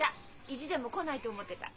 意地でも来ないと思ってた。